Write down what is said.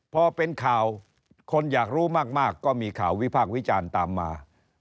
พอเป็นข่าวคนอยากรู้มากก็มีข่าววิพากษ์วิจารณ์ตามมา